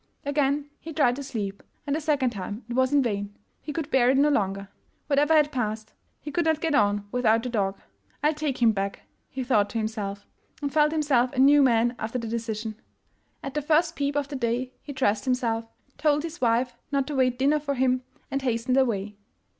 Again he tried to sleep, and a second time it was in vain. He could bear it no longer. Whatever had passed, he could not get on without the dog. "I'll take him back! " he thought to himself, and felt himself a new man after the decision. At the first peep of day he dressed himself, told his wife not to wait dinner for him, and hastened away.